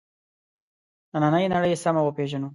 نننۍ نړۍ سمه وپېژنو.